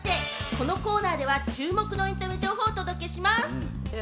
このコーナーでは注目のエンタメ情報をお届けします。